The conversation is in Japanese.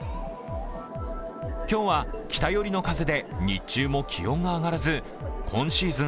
今日は北寄りの風で日中も気温が上がらず今シーズン